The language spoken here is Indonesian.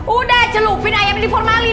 udah celupin ayam ini formalin